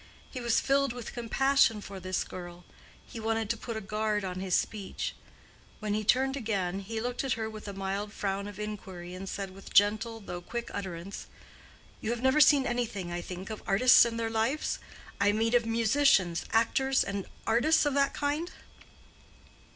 He was filled with compassion for this girl: he wanted to put a guard on his speech. When he turned again, he looked at her with a mild frown of inquiry, and said with gentle though quick utterance, "You have never seen anything, I think, of artists and their lives?—I mean of musicians, actors, artists of that kind?"